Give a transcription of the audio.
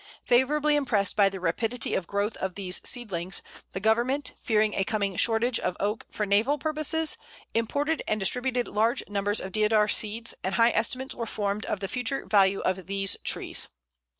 Favourably impressed by the rapidity of growth of these seedlings, the government, fearing a coming shortage of Oak for naval purposes, imported and distributed large numbers of Deodar seeds, and high estimates were formed of the future value of these trees.